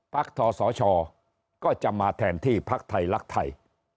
ทศชก็จะมาแทนที่พักไทยรักไทย